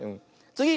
つぎ！